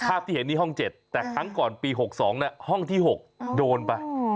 ที่เห็นนี่ห้อง๗แต่ครั้งก่อนปี๖๒ห้องที่๖โดนไป